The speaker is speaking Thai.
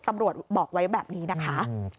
ตำรวจบอกไว้แบบนี้นะคะ